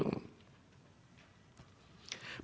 dan memutus pelanggaran administratif pemilu